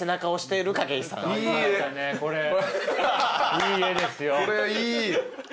いい絵ですよ。